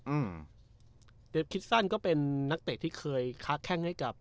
อืมเดฟคิดสั้นก็เป็นนักเตะที่เคยค้าแข้งให้กับ